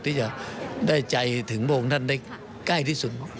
ที่จะได้ใจถึงพระองค์ท่านได้ใกล้ที่สุด